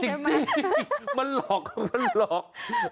จริงมันหลอกของมันหลอก